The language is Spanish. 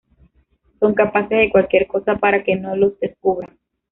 Son capaces de cualquier cosa para que no los descubran.